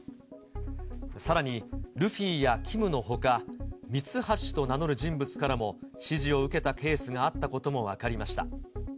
さらに、ルフィやＫＩＭのほか、ミツハシと名乗る人物からも指示を受けたケースがあったことも分かりました。